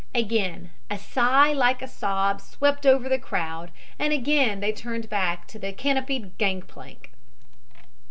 Again a sigh like a sob swept over the crowd, and again they turned back to the canopied gangplank.